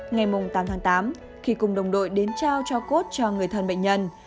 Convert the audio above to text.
ngày tám tháng tám khi cùng đồng đội đến trao cho cốt cho người thân bệnh nhân